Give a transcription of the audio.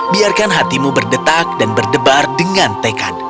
biarkan hatimu berdetak dan berdebar dengan tekad